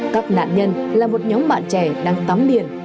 các nạn nhân là một nhóm bạn trẻ đang tắm biển